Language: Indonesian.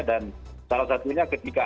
dan salah satunya ketika